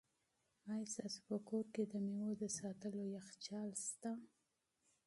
آیا ستاسو په کور کې د مېوو د ساتلو یخچال شته؟